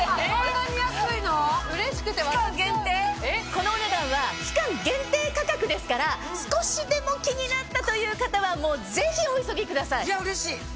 このお値段は期間限定価格ですから少しでも気になったという方はぜひお急ぎください。